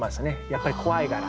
やっぱり怖いから。